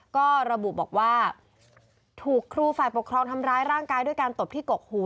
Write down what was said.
ก็ระบุบอกว่าถูกครูฝ่ายปกครองทำร้ายร่างกายด้วยการตบที่กกหู